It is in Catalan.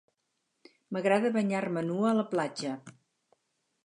M'agrada banyar-me nua a la platja